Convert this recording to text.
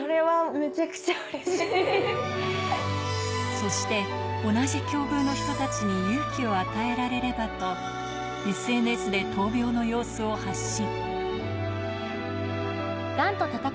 そして同じ境遇の人たちに勇気を与えられればと、ＳＮＳで闘病の様子を発信。